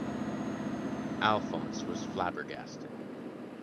Alfons was flabbergasted.